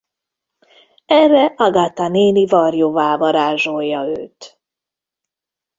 Erre Agatha néni varjúvá varázsolja őt.